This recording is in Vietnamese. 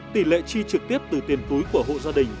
tỷ lệ chi trực tiếp từ tiền túi của hộ gia đình